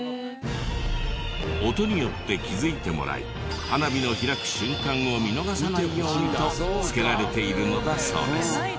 音によって気付いてもらい花火の開く瞬間を見逃さないようにとつけられているのだそうです。